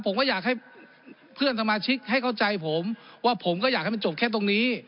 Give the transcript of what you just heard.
ผมก็อยากให้เพื่อนสมาชิกให้เข้าใจผมว่าผมก็อยากให้มันจบแค่ตรงนี้